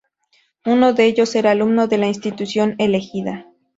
Uno de ellos era alumno de la institución elegida.